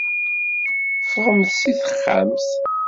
Ffɣemt si texxamt.